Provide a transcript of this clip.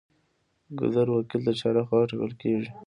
ګذر وکیل د چا لخوا ټاکل کیږي؟